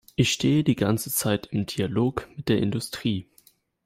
Ich stehe die ganze Zeit im Dialog mit der Industrie.